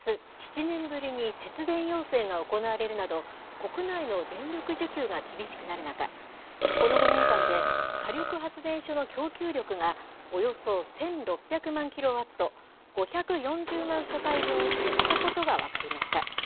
この夏、７年ぶりに節電要請が行われるなど、国内の電力需給が厳しくなる中、この５年間で、火力発電所の供給力が、およそ１６００万キロワット、５４０万世帯分、減ったことが分かりました。